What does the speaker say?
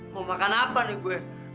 mau makan apa nih gue